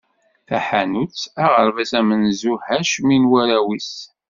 Taḥanut, aɣerbaz amenzu Hacmi d warraw-is.